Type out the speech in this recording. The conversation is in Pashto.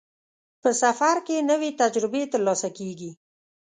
په سفر کې نوې تجربې ترلاسه کېږي.